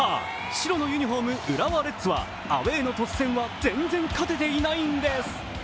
白のユニフォーム、浦和レッズはアウェーの鳥栖戦は全然勝てていないんです。